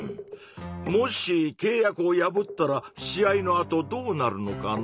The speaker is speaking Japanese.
もしけい約を破ったら試合のあとどうなるのかな？